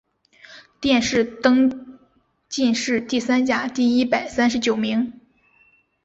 殿试登进士第三甲第一百三十九名。